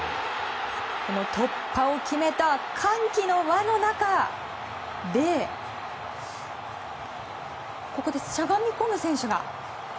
突破を決めた歓喜の輪の中でしゃがみ込む選手が。